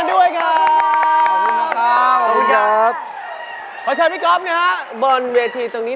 ได้ลูกสาวทุกคนบนโลกไปดี